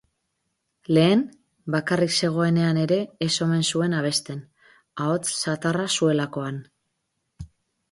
Lehen, bakarrik zegoenean ere ez omen zuen abesten, ahots zatarra zuelakoan.